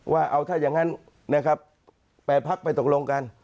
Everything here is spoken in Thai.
ว่าเอาถ้าอย่างนั้นนะครับ๘พักไปตกลงกัน